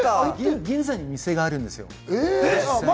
銀座に店があるんですよ。